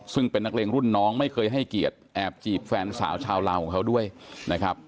ซึ่งเป็นนักเลงรุ่นน้องไม่เคยให้เกียรติแอบจีบแฟนสาวชาวลาวของเขาด้วยนะครับ